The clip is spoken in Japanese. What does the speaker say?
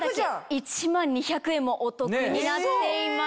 １万２００円もお得になっています。